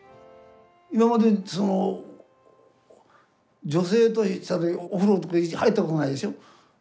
今まで女性とお風呂とか入ったことないでしょ。